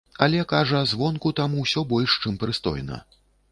Але, кажа, звонку там усё больш чым прыстойна.